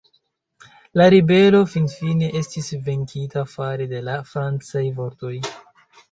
La ribelo finfine estis venkita fare de la Francaj fortoj.